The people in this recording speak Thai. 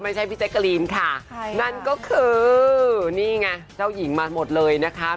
พี่แจ๊กกะลีนค่ะนั่นก็คือนี่ไงเจ้าหญิงมาหมดเลยนะคะ